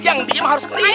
yang diem harus kelihatan